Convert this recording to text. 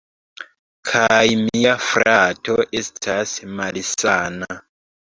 Kaj mia frato estas malsana.